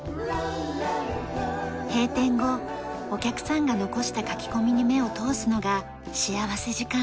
閉店後お客さんが残した書き込みに目を通すのが幸福時間。